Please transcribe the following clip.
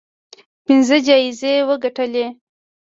پنځه جایزې وګټلې